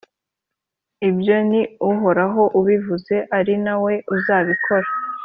ibyo ni uhoraho ubivuze, ari na we uzabikora.